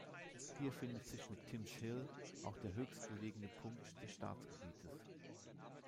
Hier findet sich mit Timms Hill auch der höchstgelegene Punkt des Staatsgebietes.